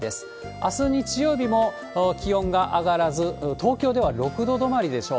あす日曜日も気温が上がらず、東京では６度止まりでしょう。